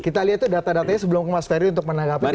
kita lihat data datanya sebelum ke mas ferry untuk menanggapi